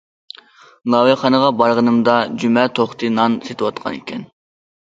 ناۋايخانىغا بارغىنىمدا، جۈمە توختى نان سېتىۋاتقان ئىكەن.